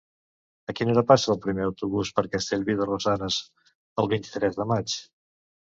A quina hora passa el primer autobús per Castellví de Rosanes el vint-i-tres de maig?